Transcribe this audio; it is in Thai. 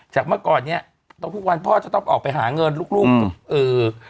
จากเมื่อก่อนเนี่ยต้องทุกวันพ่อจะต้องออกไปหาเงินลูก